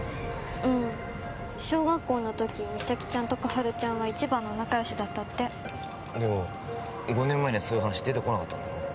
うん小学校の時実咲ちゃんと心春ちゃんは一番の仲よしだったってでも５年前にはそういう話出てこなかったんだろ？